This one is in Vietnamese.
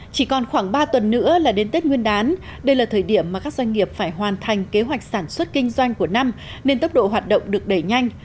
chỉ còn khoảng ba tuần nữa là đến tết nguyên đán đây là thời điểm mà các doanh nghiệp phải hoàn thành kế hoạch sản xuất kinh doanh của năm nên tốc độ hoạt động được đẩy nhanh